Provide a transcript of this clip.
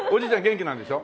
元気なんでしょ？